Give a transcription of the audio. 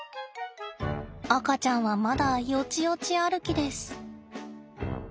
赤ちゃんはまだよちよち歩きです。